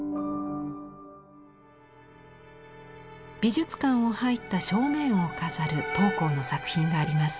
美術館を入った正面を飾る桃紅の作品があります。